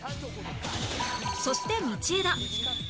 そして道枝